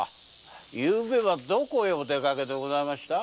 昨夜はどこへお出かけでございました？